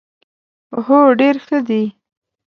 هو، ډیر ښه دي